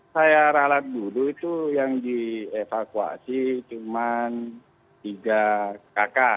saya ralat dulu itu yang dievakuasi cuma tiga kakak